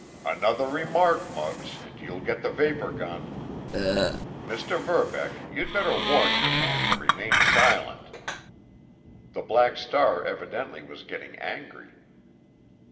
"Another remark, Muggs, and you get the vapor gun. Mr. Verbeck, you'd better warn your man to remain silent!" The Black Star evidently was getting angry.